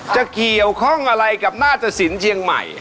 จะเกี่ยวข้องอะไรกับหน้าตะสินเชียงใหม่